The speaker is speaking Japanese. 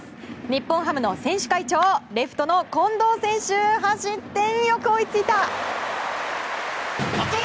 日本ハムの選手会長レフトの近藤選手走って、よく追いついた！